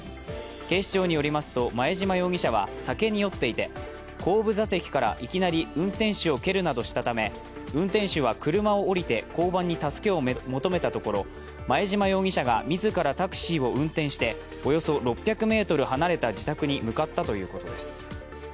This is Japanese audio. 警視庁によりますと、前嶋容疑者は酒に酔っていて、後部座席からいきなり運転手を蹴るなどしたため、運転手は車を降りて交番に助けを求めたところ、前嶋容疑者が自らタクシーを運転して、およそ６００ｍ離れた自宅に向かったということです。